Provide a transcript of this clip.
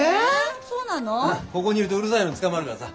ここにいるとうるさいのにつかまるからさ。